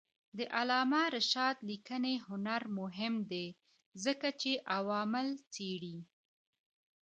د علامه رشاد لیکنی هنر مهم دی ځکه چې عوامل څېړي.